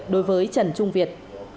đối với trần trung việt